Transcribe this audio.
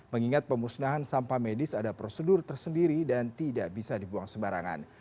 mengingat pemusnahan sampah medis ada prosedur tersendiri dan tidak bisa dibuang sembarangan